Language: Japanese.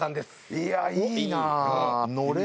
いやいいな。